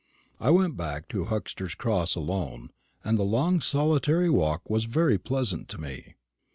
I went back to Huxter's Cross alone, and the long solitary walk was very pleasant to me.